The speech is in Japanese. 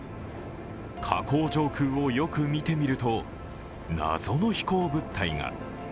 火口上空をよく見てみると謎の飛行物体が。